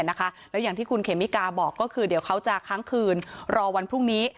แล้วอย่างที่คุณเขมิกาบอกก็คือเดี๋ยวเขาจะค้างคืนรอวันพรุ่งนี้